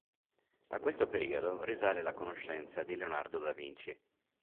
A questo periodo risale la conoscenza di Leonardo Da Vinci.